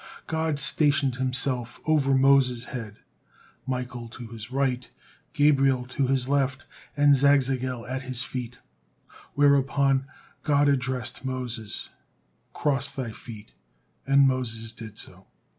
God stationed Himself over Moses' head, Michael to his right, Gabriel to his left, and Zagzagel at his feet, whereupon God addressed Moses: "Cross thy feet," and Moses did so.